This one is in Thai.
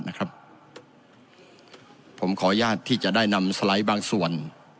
นะครับผมขออนุญาตที่จะได้นำสไลด์บางส่วน